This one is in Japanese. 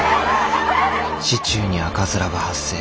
市中に赤面が発生。